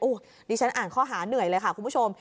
ดิฉันอ่านข้อหาเหนื่อยเลยค่ะคุณผู้ชม